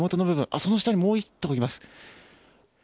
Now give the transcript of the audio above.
その下にもう１頭います。